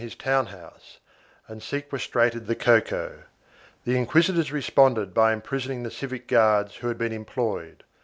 his town house and sequestrated the cocoa. The inquisi tors responded by imprisoning the civic guards who had been employed.